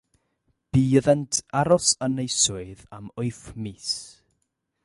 Bu iddynt aros yn eu swydd am wyth mis.